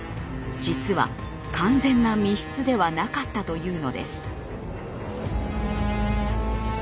実は完全な密室ではなかったというのです。